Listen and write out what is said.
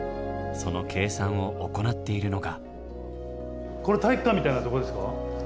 その計算を行っているのが。